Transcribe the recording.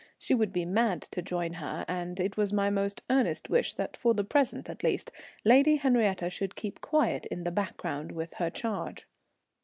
She would be mad to join her, and it was my most earnest wish that, for the present at least, Lady Henriette should keep quiet in the background with her charge.